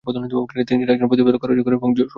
তিনি ছিলেন একজন প্রতিভাধর, কার্যকর প্রশাসক এবং সংগঠক।